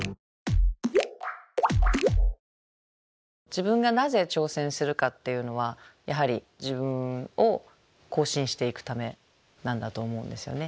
自分がなぜ挑戦するかっていうのはやはり自分を更新していくためなんだと思うんですよね。